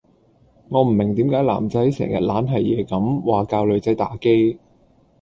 我唔明點解男仔成日懶係野咁話教女仔打機